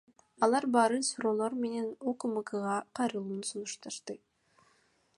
Алар баардык суроолор менен УКМКга кайрылууну сунушташты.